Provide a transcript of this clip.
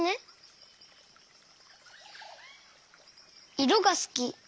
いろがすき。